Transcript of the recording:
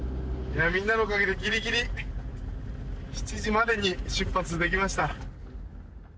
みんなのおかげでギリギリ７時までに出発できました。